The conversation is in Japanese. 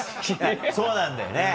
そうなんだよね。